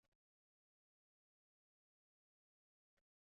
songa emas, sifatga ahamiyat berishni tavsiya etaman.